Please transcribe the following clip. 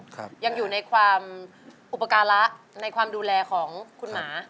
ยังอยู่ในความอุปการะในความดูแลของคุณหมา